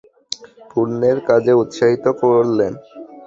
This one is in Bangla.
পূণ্যের কাজে উৎসাহিত করলে।